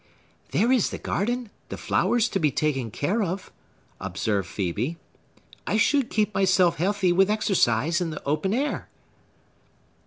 "There is the garden,—the flowers to be taken care of," observed Phœbe. "I should keep myself healthy with exercise in the open air."